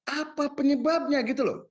apa penyebabnya gitu loh